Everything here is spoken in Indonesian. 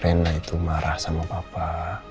rena itu marah sama papa